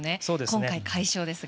今回、快勝ですが。